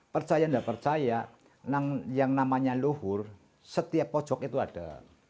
percaya tidak percaya yang namanya luhur setiap pojok itu ada